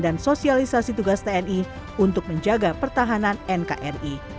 dan sosialisasi tugas tni untuk menjaga pertahanan nkni